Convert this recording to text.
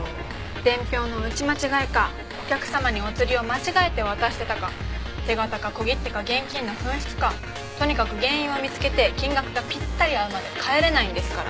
伝票の打ち間違えかお客様にお釣りを間違えて渡してたか手形か小切手か現金の紛失かとにかく原因を見つけて金額がぴったり合うまで帰れないんですから。